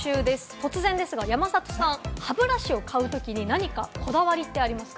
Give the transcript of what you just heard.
突然ですが山里さん、歯ブラシを買うときに何かこだわりってありますか？